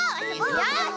よし！